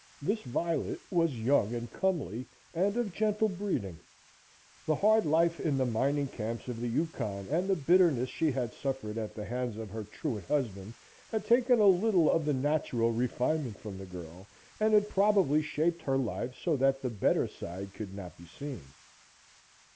This Violet was young and comely, and of gentle breeding. The hard life in the mining camps of the Yukon and the bitterness she had suffered at the hands of her truant husband had taken a little of the natural refinement from the girl and had probably shaped her life so that the better side could not be seen.